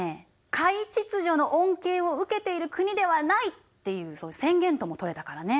華夷秩序の恩恵を受けている国ではないっていう宣言ともとれたからね。